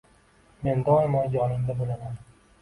Men doimo yoningda bo‘laman.